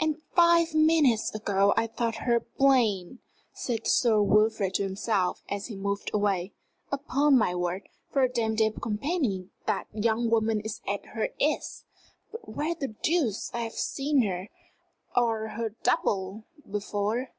"And five minutes ago I thought her plain!" said Sir Wilfrid to himself as he moved away. "Upon my word, for a dame de compagnie that young woman is at her ease! But where the deuce have I seen her, or her double, before?"